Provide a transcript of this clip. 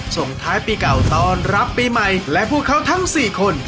ส่งท้ายปีเก่าต้อนรับปีใหม่และพวกเขาทั้ง๔คน